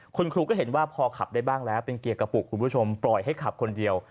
คุณครูก็เห็นว่าพอขับได้บ้างแล้วเป็นเกียร์กระปุกคุณผู้ชมปล่อยให้ขับคนเดียว